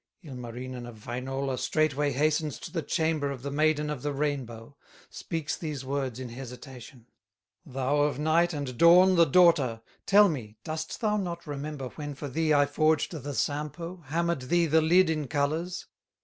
Ilmarinen of Wainola Straightway hastens to the chamber Of the Maiden of the Rainbow, Speaks these words in hesitation: "Thou of Night and Dawn the daughter, Tell me, dost thou not remember When for thee I forged the Sampo, Hammered thee the lid in colors?